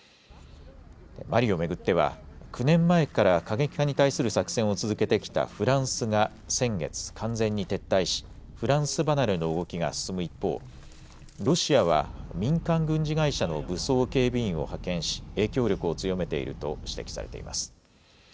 マリを巡っては９年前から過激派に対する作戦を続けてきたフランスが先月、完全に撤退しフランス離れの動きが進む一方、ロシアは民間軍事会社の武装警備員を派遣し影響力を強めていると指摘されています。